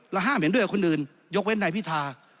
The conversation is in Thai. ห้ามเห็นด้วยกับคนอื่นยกเว้นนายพิธา